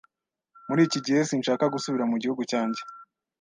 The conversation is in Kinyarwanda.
Muri iki gihe, sinshaka gusubira mu gihugu cyanjye.